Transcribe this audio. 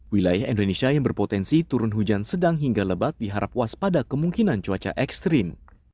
wilayah indonesia yang berpotensi turun hujan sedang hingga lebat diharap waspada kemungkinan cuaca ekstrim